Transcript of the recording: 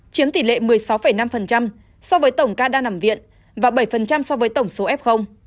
chiếm tỷ lệ một mươi sáu năm so với tổng ca đang nằm viện và bảy so với tổng số f